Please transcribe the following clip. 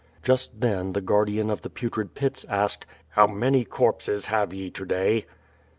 Just then the guardian of the Putrid Pits asked: "How many corpses have ye to day